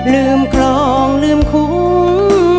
ลืมคลองลืมคุ้ม